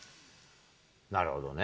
なるほどね。